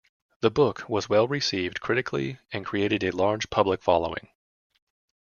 The book was well received critically and created a large public following.